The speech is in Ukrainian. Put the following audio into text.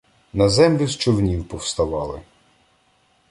На землю з човнів повставали